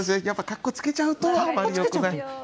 やっぱかっこつけちゃうとあんまりよくない。